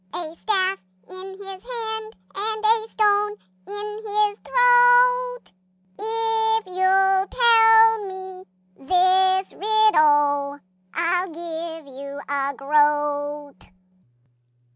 A staff in his hand, and a stone in his throat; If you'll tell me this riddle, I'll give you a groat."